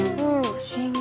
不思議。